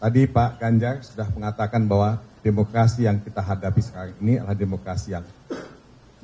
tadi pak ganjar sudah mengatakan bahwa demokrasi yang kita hadapi sekarang ini adalah demokrasi yang baik